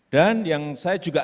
dan yang saya juga